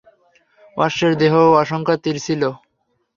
অশ্বের দেহেও অসংখ্য তীর ছিল।